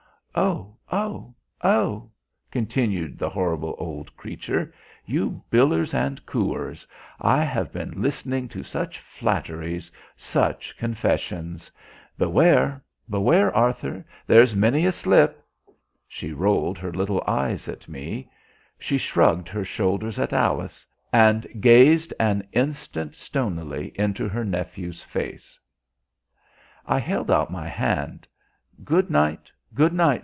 O, O, O," continued the horrible old creature, "you billers and cooers, I have been listening to such flatteries, such confessions! Beware, beware, Arthur, there's many a slip." She rolled her little eyes at me, she shrugged her shoulders at Alice, and gazed an instant stonily into her nephew's face. I held out my hand. "Good night, good night!"